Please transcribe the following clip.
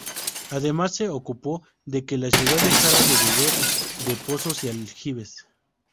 Además, se ocupó de que la ciudad dejara de beber de pozos y aljibes.